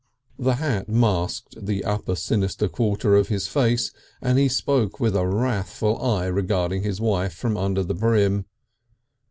The hat masked the upper sinister quarter of his face, and he spoke with a wrathful eye regarding his wife from under the brim.